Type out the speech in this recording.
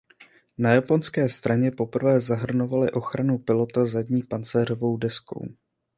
Na japonské straně poprvé zahrnovaly ochranu pilota zadní pancéřovou deskou.